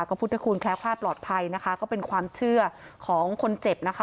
ก็พุทธคุณแคล้วคลาดปลอดภัยนะคะก็เป็นความเชื่อของคนเจ็บนะคะ